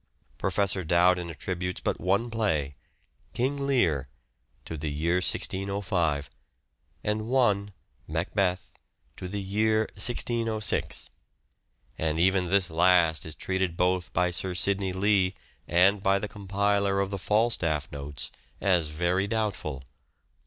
Professor Dowden attributes but one play, " King Lear," to the year 1605, and one, " Macbeth," to the year 1606 : and even this last is treated both by Sir Sidney Lee and by the compiler of the " Falstaff " Notes as very doubtful.